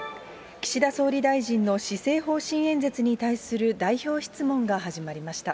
岸田総理大臣の施政方針演説に対する代表質問が始まりました。